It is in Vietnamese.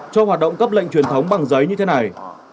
cho hoạt động cấp lệnh truyền thống bằng giấy như thế này